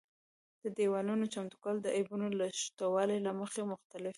د دېوالونو چمتو کول د عیبونو له شتوالي له مخې مختلف دي.